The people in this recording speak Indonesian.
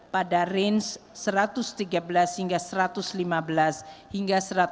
pada range satu ratus tiga belas hingga satu ratus lima puluh